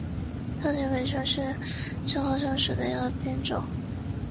糙葶北葱是葱科葱属的变种。